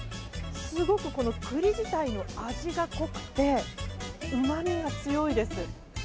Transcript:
すごく栗自体の味が濃くてうまみが強いです。